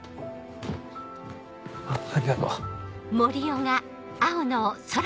あっありがとう。